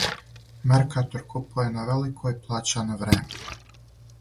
Меркатор купује на велико и плаћа на време.